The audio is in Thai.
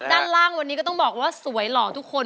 ด้านล่างวันนี้ก็ต้องบอกว่าสวยหล่อทุกคน